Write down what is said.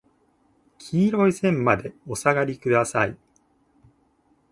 黄色い線までお下がりください。